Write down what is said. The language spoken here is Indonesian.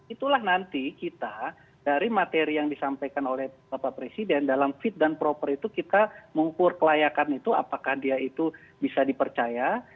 itulah nanti kita dari materi yang disampaikan oleh bapak presiden dalam fit and proper itu kita mengukur kelayakan itu apakah dia itu bisa dipercaya